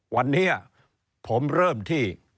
วันนี้ผมเริ่มที่